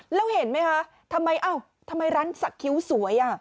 แล้วเห็นไหมคะทำไมร้านสักคิ้วสวย